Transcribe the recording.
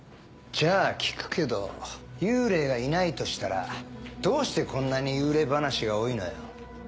じゃあ聞くけど幽霊がいないとしたらどうしてこんなに幽霊話が多いのよ？